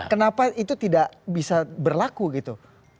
kenapa itu tidak bisa berlaku gitu